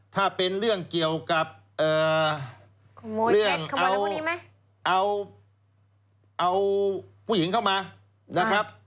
ถ้าเป็นเรื่องเกี่ยวกับเอ่อเรื่องเอาเอาเอาผู้หญิงเข้ามานะครับ